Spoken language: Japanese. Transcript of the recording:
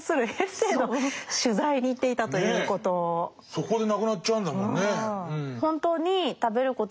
そこで亡くなっちゃうんだもんね。